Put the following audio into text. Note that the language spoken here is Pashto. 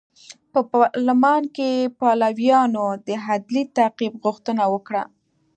په پارلمان کې پلویانو د عدلي تعقیب غوښتنه وکړه.